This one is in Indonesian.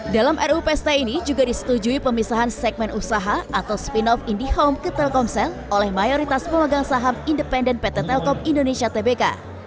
dalam rupst ini juga disetujui pemisahan segmen usaha atau spin off indihow ke telkomsel oleh mayoritas pemegang saham independen pt telkom indonesia tbk